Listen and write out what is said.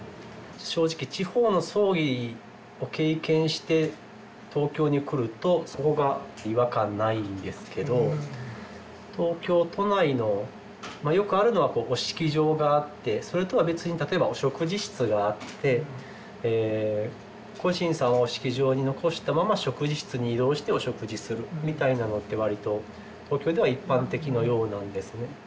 正直地方の葬儀を経験して東京に来ると違和感ないんですけど東京都内のまあよくあるのはご式場があってそれとは別に例えばお食事室があって故人様を式場に残したまま食事室に移動してお食事するみたいなのって割と東京では一般的のようなんですね。